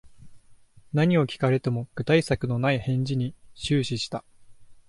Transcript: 何を聞かれても具体策のない返答に終始した